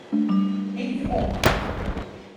Hingje op.